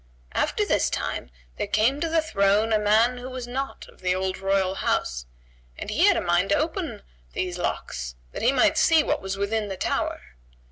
After this time, there came to the throne a man who was not of the old royal house, and he had a mind to open these locks, that he might see what was within the tower.